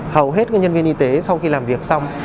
hầu hết nhân viên y tế sau khi làm việc xong